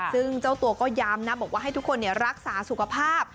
ซึ่งเจ้าตัวก็ย้ำนะบอกว่าให้ทุกคนรักษาสุขภาพ